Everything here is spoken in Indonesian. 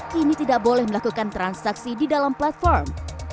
kini tidak boleh melakukan transaksi di dalam platform